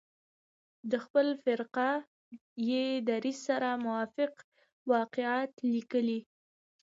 د خپل فرقه يي دریځ سره موافق واقعات لیکلي.